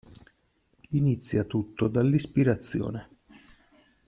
Inizia tutto dall'ispirazione.